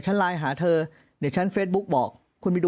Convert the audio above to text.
เพราะอาชญากรเขาต้องปล่อยเงิน